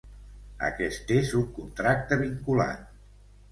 Aquest és un contracte vinculant.